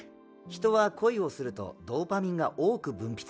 人は恋をするとドーパミンが多く分泌されるんだ。